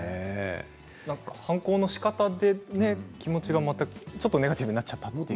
反抗のしかたで気持ちがまたネガティブになっちゃった。